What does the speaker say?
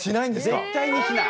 絶対にしない？